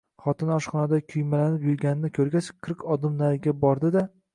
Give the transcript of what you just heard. Xotini oshxonada kuymalanib yurganini koʻrgach, qirq odim nariga bordi-da